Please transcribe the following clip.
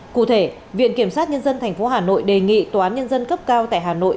cụ thể viện kiểm sát nhân dân tp hà nội đề nghị tòa án nhân dân cấp cao tại hà nội